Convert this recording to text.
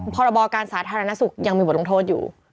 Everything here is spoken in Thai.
พรบการสาธารณสุขยังมีบทลงโทษอยู่